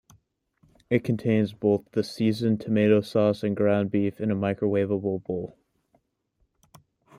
It contains both the seasoned tomato sauce and ground beef in a microwavable bowl.